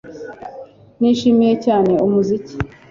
Nishimiye cyane umuziki